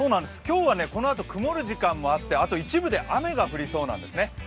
今日はこのあと曇る時間もあって、それから一部で雨も降りそうなんですね。